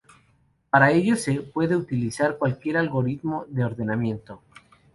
Para ello se puede utilizar cualquier algoritmo de ordenamiento.